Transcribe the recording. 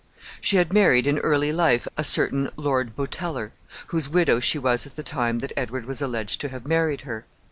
She had married in early life a certain Lord Boteler, whose widow she was at the time that Edward was alleged to have married her.